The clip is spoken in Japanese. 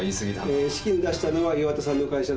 えー資金出したのは岩田さんの会社だそうで。